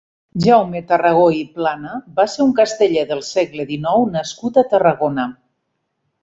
Jaume Tarragó i Plana va ser un casteller del segle dinou nascut a Tarragona.